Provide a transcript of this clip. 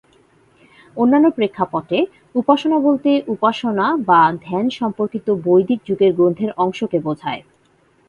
অন্যান্য প্রেক্ষাপটে, উপাসনা বলতে উপাসনা বা ধ্যান সম্পর্কিত বৈদিক যুগের গ্রন্থের অংশকে বোঝায়।